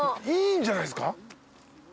いいんじゃないですか？